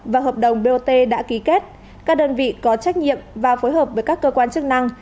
và hợp đồng bot đã ký kết các đơn vị có trách nhiệm và phối hợp với các cơ quan chức năng